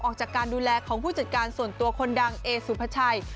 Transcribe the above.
ออกจากการดูแลของผู้จัดการส่วนตัวคนดังเอสุภาชัย